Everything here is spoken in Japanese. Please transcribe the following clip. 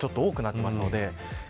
雨量が多くなっています。